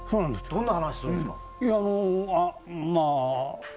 どんな話するんですか？